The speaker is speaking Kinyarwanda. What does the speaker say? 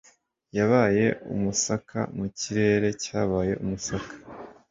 Yabaye umusaka mu kirere cyabaye umusaka